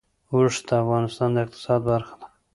اوښ د افغانستان د اقتصاد برخه ده.